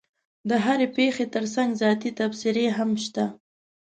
د هرې پېښې ترڅنګ ذاتي تبصرې هم شته.